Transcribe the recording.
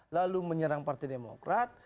lalu menyerang partai demokrat